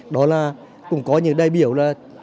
đó là cũng có những đại biểu là